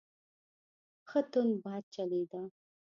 ښه تند باد چلیده.